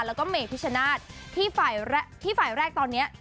และก็เมย์พิชนาศที่ฝ่ายแรกตอนนี้